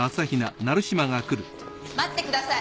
待ってください！